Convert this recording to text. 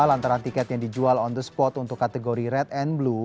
lantaran tiket yang dijual on the spot untuk kategori red and blue